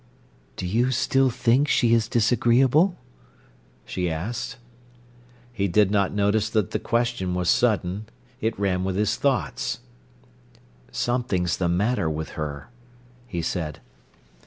"Do you still think she is disagreeable?" she asked. He did not notice that the question was sudden. It ran with his thoughts. "Something's the matter with her," he said.